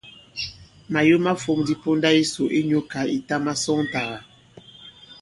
Màyo ma fōm ndi ponda yisò inyū kà ìta masɔŋtàgà.